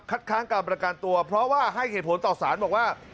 ค้างการประกันตัวเพราะว่าให้เหตุผลต่อสารบอกว่า